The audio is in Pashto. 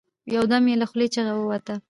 يو دم يې له خولې چيغه ووته.